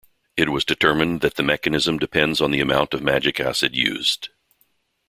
It was determined that the mechanism depends on the amount of magic acid used.